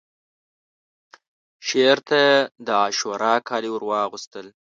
شعر ته یې د عاشورا کالي ورواغوستل